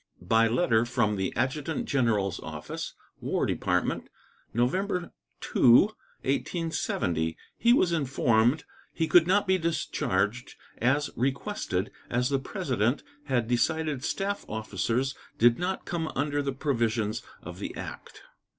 By letter from the Adjutant General's Office, War Department, November 2, 1870, he was informed he could not be discharged as requested, as the President had decided staff officers did not come under the provisions of the act.